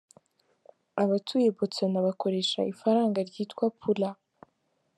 Abatuye Botswana bakoresha ifaranga ryitwa “pula”.